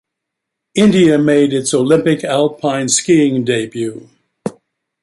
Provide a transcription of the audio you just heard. India made its Olympic alpine skiing debut.